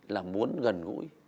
là muốn gần gũi